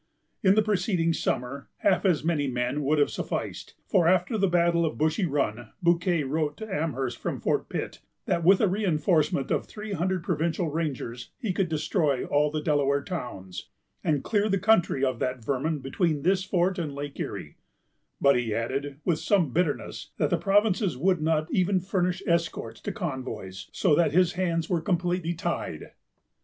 In the preceding summer, half as many men would have sufficed; for, after the battle of Bushy Run, Bouquet wrote to Amherst from Fort Pitt, that, with a reinforcement of three hundred provincial rangers, he could destroy all the Delaware towns, "and clear the country of that vermin between this fort and Lake Erie;" but he added, with some bitterness, that the provinces would not even furnish escorts to convoys, so that his hands were completely tied.